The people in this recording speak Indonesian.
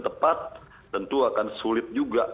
tepat tentu akan sulit juga